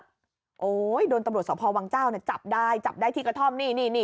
โอ้โหโดนตำรวจสพวังเจ้าจับได้จับได้ที่กระท่อมนี่